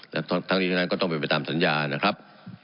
และทั้งทีทั้งนั้นก็ต้องไปตามสัญญานะครับ